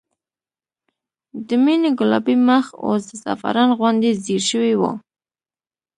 د مينې ګلابي مخ اوس د زعفران غوندې زېړ شوی و